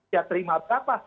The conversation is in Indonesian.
ya terima berapa